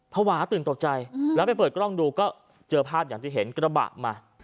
ภาวะตื่นตกใจแล้วไปเปิดกล้องดูก็เจอภาพอย่างที่เห็นกระบะมา